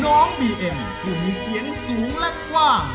น้องบีเอ็มผู้มีเสียงสูงและกว้าง